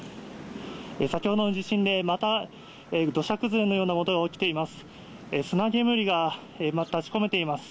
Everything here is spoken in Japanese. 先ほどの地震で、また土砂崩れのような音が起きています。